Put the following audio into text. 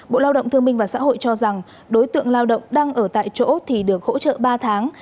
bộ lao động thương minh và xã hội cho rằng đối tượng lao động đang ở tại chỗ thì được hỗ trợ ba tháng